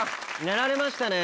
やられましたね。